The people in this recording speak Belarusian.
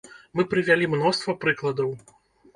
Мы прывялі мноства прыкладаў.